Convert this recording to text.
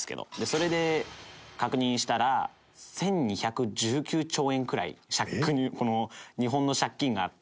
それで確認したら１２１９兆円くらい日本の借金があって。